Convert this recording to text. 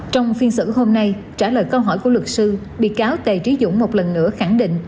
trong phiên xử hôm nay trả lời câu hỏi của luật sư bị cáo tài trí dũng một lần nữa khẳng định